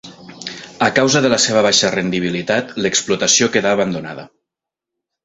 A causa de la seva baixa rendibilitat, l'explotació quedà abandonada.